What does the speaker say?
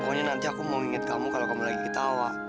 pokoknya nanti aku mau mengingat kamu kalau kamu lagi ketawa